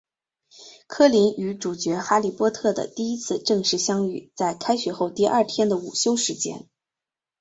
柯林与主角哈利波特的第一次正式相遇在开学后第二天的午休时间。